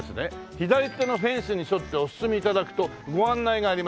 「左手のフェンスに沿ってお進みいただくとご案内があります」